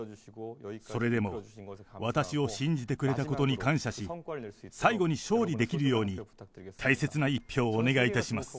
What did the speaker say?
それでも、私を信じてくれたことに感謝し、最後に勝利できるように、大切な１票をお願いいたします。